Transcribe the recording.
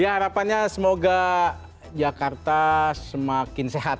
ya harapannya semoga jakarta semakin sehat